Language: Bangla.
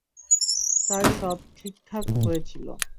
তাই সব ঠিকঠাক হয়েছিল।